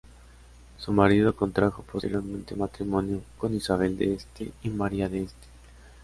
Su marido contrajo posteriormente matrimonio con Isabel de Este y María de Este.